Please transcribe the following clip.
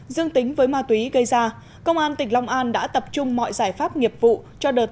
dương tính với ma túy gây ra công an tỉnh long an đã tập trung mọi giải pháp nghiệp vụ cho đợt